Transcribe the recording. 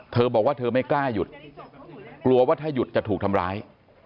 เธอบอกว่าเธอไม่กล้าหยุดกลัวว่าถ้าหยุดจะถูกทำร้าย